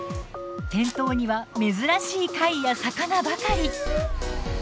店頭には珍しい貝や魚ばかり。